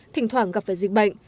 thỉnh thoảng gặp phải dịch bệnh